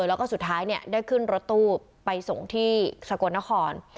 แล้วก็สุดท้ายได้ขึ้นรถตู้ไปส่งที่สกลนคร